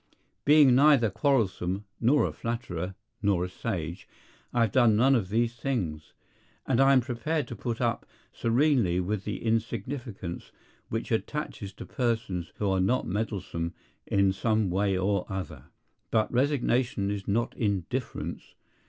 Being neither quarrelsome, nor a flatterer, nor a sage, I have done none of these things, and I am prepared to put up serenely with the insignificance which attaches to persons who are not meddlesome in some way or other. But resignation is not indifference.